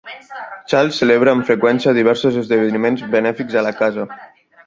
Charles celebra amb freqüència diversos esdeveniments benèfics a la casa.